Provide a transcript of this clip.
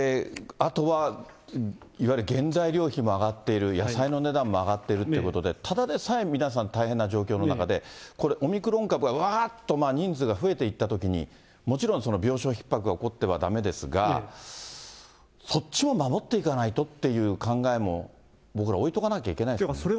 あとは、いわゆる原材料費も上がっている、野菜の値段も上がっているということで、ただでさえ皆さん、大変な状況の中で、これ、オミクロン株がわーっと人数が増えていったときに、もちろん病床ひっ迫が起こってはだめですが、そっちも守っていかないとっていう考えも、僕ら置いとかなきゃいけないですね。